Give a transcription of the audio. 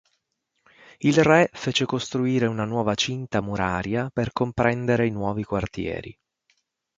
Il re fece costruire una nuova cinta muraria per comprendere i nuovi quartieri.